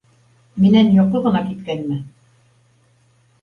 Минән йоҡо ғына киткәнме?